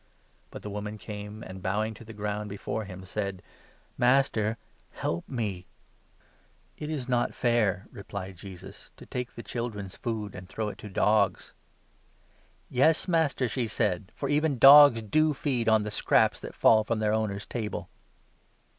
But the woman came, and, bowing to the ground before him, said : "Master, help me *• Isa. 29. 13. MATTHEW, 15 16. 71 c< It is not fair," replied Jesus, " to take the children's food 26 and throw it to dogs." "Yes, Master," she said, "for even dogs do feed on the scraps 27 that fall from their owners' table.